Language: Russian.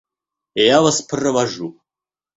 Я вас провожу.